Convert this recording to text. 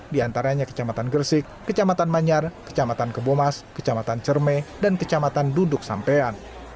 di antaranya kecamatan gersik kecamatan manyar kecamatan kebomas kecamatan cerme dan kecamatan duduk sampean